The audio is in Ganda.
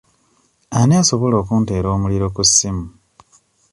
Ani asobola okunteera omuliro ku ssimu?